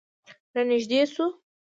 رانږدې شوه.